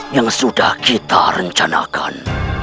yang sudah kita rencanakan